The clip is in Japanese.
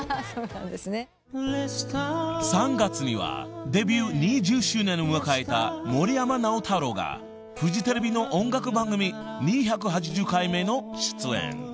［３月にはデビュー２０周年を迎えた森山直太朗がフジテレビの音楽番組２８０回目の出演］